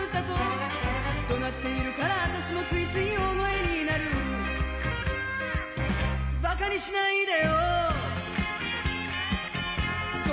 「怒鳴っているから私もついつい大声になる」「馬鹿にしないでよそっちのせいよ」